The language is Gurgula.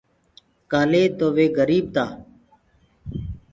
ڪآلي تو وي گريٚب تا۔